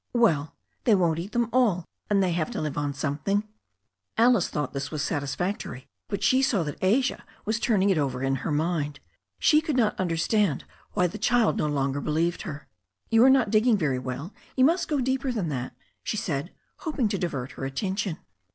"Well, they won't eat them all, and they have to live on something." Alice thought this was satisfactory, but she saw that Asia THE STORY OF A NEW ZEALAND KIVER 131 was turning it over in her mind. She could not understand why the child no longer believed her. You are not digging very well. You must go deeper than that/' she said, hoping to divert her attention.